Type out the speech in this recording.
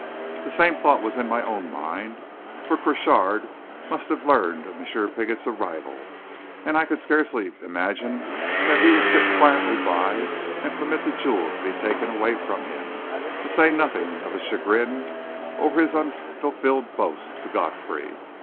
The same thought was in my own mind, for Crochard must have learned of M. Pigot's arrival; and I could scarcely imagine that he would sit quietly by and permit the jewels to be taken away from him to say nothing of his chagrin over his unfulfilled boast to Godfrey.